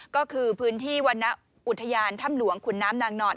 ก็คือพื้นที่วรรณอุทยานถ้ำหลวงขุนน้ำนางนอน